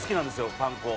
パン粉。